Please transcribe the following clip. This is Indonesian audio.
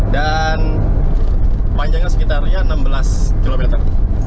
dan panjangnya sekitarnya enam belas kilometer